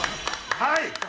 はい！